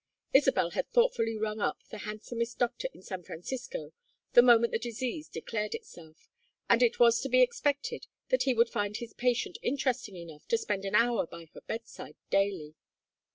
Isabel had thoughtfully rung up the handsomest doctor in San Francisco the moment the disease declared itself, and it was to be expected that he would find his patient interesting enough to spend an hour by her bedside daily.